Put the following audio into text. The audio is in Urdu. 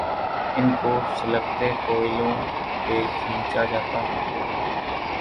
ان کو سلگتے کوئلوں پہ کھینچا جاتا۔